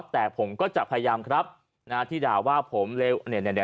แต่ผมก็จะพยายามครับหน้าที่ด่าว่าผมเลว